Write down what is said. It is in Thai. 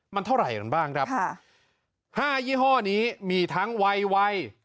มันเท่าไหร่กันบ้างครับ๕ยี่ห้อนี้มีทั้งวัยวัย